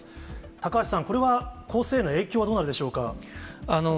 高橋さん、これは攻勢への影響はどうなるでしょうか。